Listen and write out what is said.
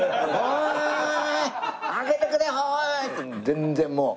全然もう。